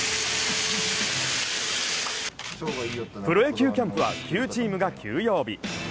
プロ野球キャンプは９チームが休養日。